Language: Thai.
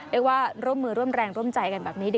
เรียกว่าร่วมมือร่วมแรงร่วมใจกันแบบนี้